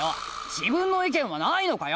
自分の意見はないのかよ！